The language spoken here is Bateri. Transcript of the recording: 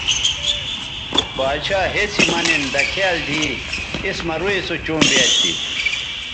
باڇھا ہسی مہ نِن دکھیال دی اِس مہ روئ سو چوں بیاد تھی